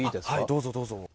どうぞ、どうぞ。